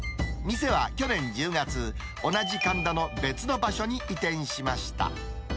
店は去年１０月、同じ神田の別の場所に移転しました。